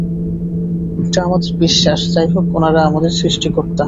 এটা আমাদের বিশ্বাস, যাই হোক উনারা আমাদের সৃষ্টিকর্তা।